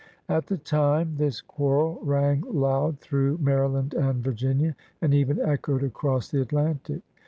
At the time, this quarrel rang loud through Maryland and Virginia, and even echoed across the Atlantic.